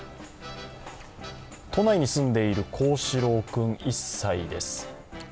都内に住んでいる恒士郎君１歳です。